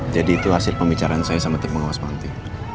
jadi itu hasil pembicaraan saya sama tim pengawas manti